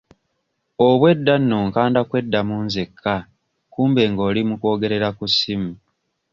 Obwedda nno nkanda kweddamu nzekka kumbe ng'oli mu kwogerera ku ssimu.